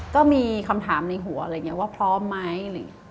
ก็มีคำถามในหัวว่าพร้อมไหม